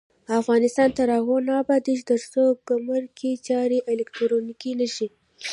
افغانستان تر هغو نه ابادیږي، ترڅو ګمرکي چارې الکترونیکي نشي.